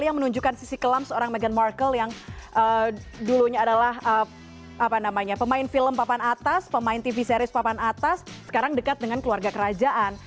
yang menunjukkan sisi kelam seorang meghan markle yang dulunya adalah pemain film papan atas pemain tv series papan atas sekarang dekat dengan keluarga kerajaan